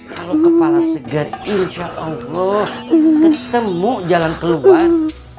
kalau kepala segar insya allah ketemu jalan keluar